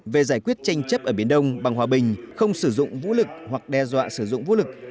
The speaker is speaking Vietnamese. về giải quyết tranh chấp ở biển đông bằng hòa bình không sử dụng vũ lực hoặc đe dọa sử dụng vũ lực